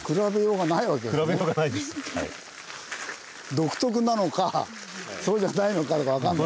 独特なのかそうじゃないのかが分かんない。